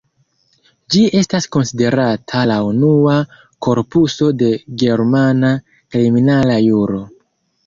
Ĝi estas konsiderata la unua korpuso de germana kriminala juro.